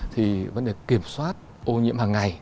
thì vấn đề kiểm soát ô nhiễm hàng ngày